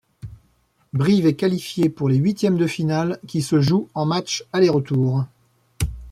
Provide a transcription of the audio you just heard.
Brive est qualifié pour les huitièmes de finale qui se jouent en match aller-retour.